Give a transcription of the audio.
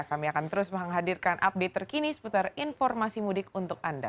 kami akan terus menghadirkan update terkini seputar informasi mudik untuk anda